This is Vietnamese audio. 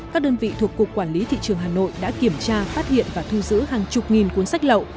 các đơn vị thuộc cục quản lý thị trường hà nội đã kiểm tra phát hiện và thu giữ hàng chục nghìn cuốn sách lậu